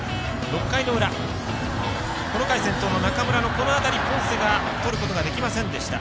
６回の裏この回先頭の中村の当たりポンセがとることができませんでした。